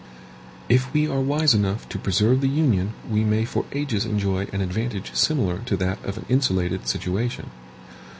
If we are wise enough to preserve the Union we may for ages enjoy an advantage similar to that of an insulated situation.